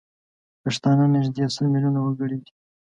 پښتانه نزدي سل میلیونه وګړي دي